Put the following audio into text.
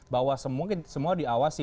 bahwa semua diangkat